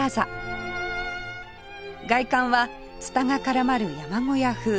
外観はツタが絡まる山小屋風